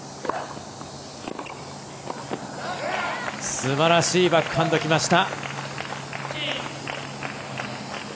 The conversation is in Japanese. すばらしいバックハンドきました。